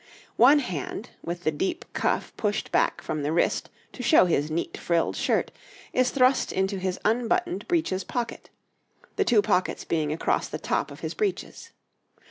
One hand, with the deep cuff pushed back from the wrist to show his neat frilled shirt, is thrust into his unbuttoned breeches pocket, the two pockets being across the top of his breeches.